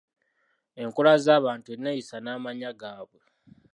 Enkula z’abantu, enneeyisa n’amannya gaabwe.